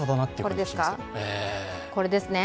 これですね。